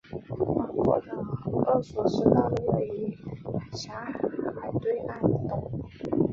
广阔的厄索斯大陆位于狭海对岸以东。